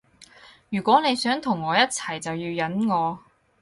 如果你想同我一齊就要忍我